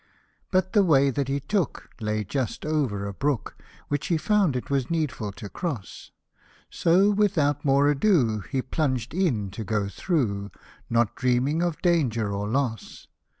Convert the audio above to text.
But the way that he took, lay just over a brook, Which he found it was needful to cross ; So, without more ado, he plunged in to go through, Not dreaming of danger or loss.